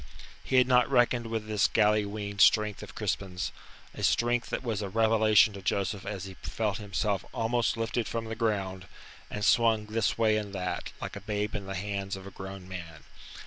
He had not reckoned with this galley weaned strength of Crispin's, a strength that was a revelation to Joseph as he felt himself almost lifted from the ground, and swung this way and that, like a babe in the hands of a grown man.